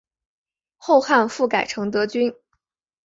后汉复改成德军。